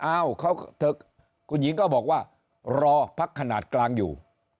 อ้าวเขาเถอะคุณหญิงก็บอกว่ารอพักฯขนาดกลางอยู่